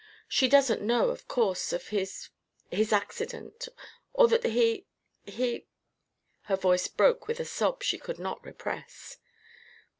She doesn't know, of course, of his his accident or that he he " Her voice broke with a sob she could not repress.